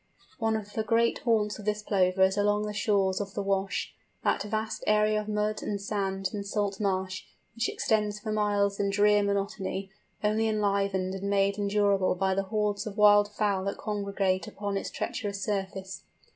One of the great haunts of this Plover is along the shores of the Wash—that vast area of mud, and sand, and salt marsh, which extends for miles in drear monotony, only enlivened and made endurable by the hordes of wild fowl that congregate upon its treacherous surface.